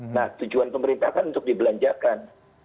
nah tujuan pemerintah kan untuk dibelanjakan